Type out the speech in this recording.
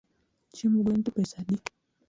Chiemb gwen to pesa adi?